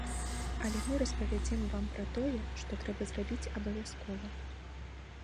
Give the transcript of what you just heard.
Але мы распавядзем вам пра тое, што трэба зрабіць абавязкова.